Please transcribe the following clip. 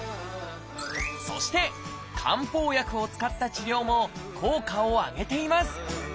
そして漢方薬を使った治療も効果をあげています。